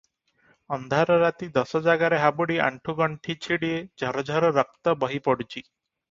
ଅନ୍ଧାର ରାତି ଦଶ ଜାଗାରେ ହାବୁଡ଼ି ଆଣ୍ଠୁ ଗଣ୍ଠି ଛିଡ଼ି ଝରଝର ରକ୍ତ ବହି ପଡୁଛି ।